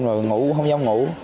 rồi ngủ không dám ngủ